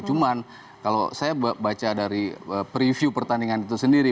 cuman kalau saya baca dari preview pertandingan itu sendiri